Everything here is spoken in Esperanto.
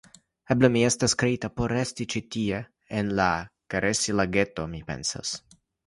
Eble mi estas kreita por resti ĉi tie en la karasi-lageto, mi pensas.